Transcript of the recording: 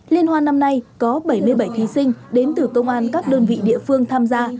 liên hoan năm nay có bảy mươi bảy thí sinh đến từ công an các đơn vị địa phương tham gia